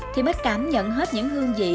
thì mới cảm nhận hết những hương vị